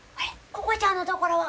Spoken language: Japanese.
ここちゃんのところは？」